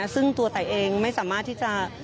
ซึ่งตัวไตเองไม่สามารถที่จะ